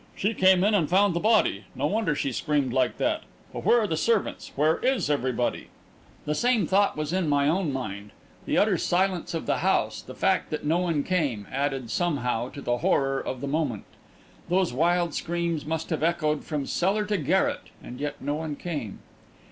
"She came in and found the body. No wonder she screamed like that! But where are the servants? Where is everybody?" The same thought was in my own mind. The utter silence of the house, the fact that no one came, added, somehow, to the horror of the moment. Those wild screams must have echoed from cellar to garret and yet no one came!